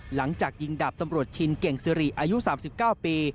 หลังจากยิงดับทำรวจชินเก่งซื้อหรี่อายุ๓๙ปี